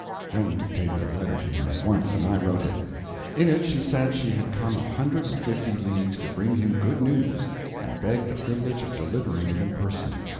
Joan dictated a letter to him at once, and I wrote it. In it she said she had come a hundred and fifty leagues to bring him good news, and begged the privilege of delivering it in person.